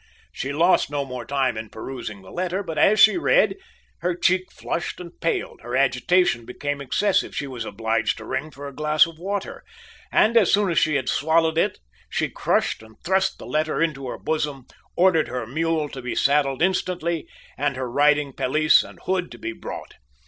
She lost no more time in perusing the letter, but as she read, her cheek flushed and paled her agitation became excessive, she was obliged to ring for a glass of water, and as soon as she had swallowed it she crushed and thrust the letter into her bosom, ordered her mule to be saddled instantly, and her riding pelisse and hood to be brought.